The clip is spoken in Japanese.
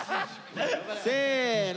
せの。